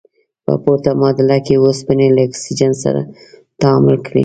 په پورته معادله کې اوسپنې له اکسیجن سره تعامل کړی.